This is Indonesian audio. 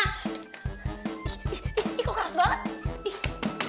ih ih ih kok keras banget